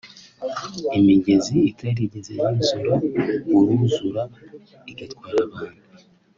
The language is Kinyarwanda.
imigezi itarigeze yuzura urruzura igatwara abantu